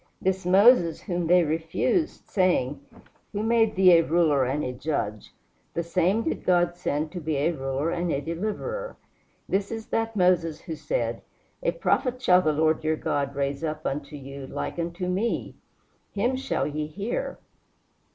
This Moses, whom they refused, saying, "Who made thee a ruler and a judge?" the same did God send to be a ruler and a deliverer. "This is that Moses who said, A Prophet shall the Lord your God raise up unto you like unto me: him shall ye hear."